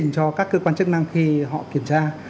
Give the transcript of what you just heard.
cho các cơ quan chức năng khi họ kiểm tra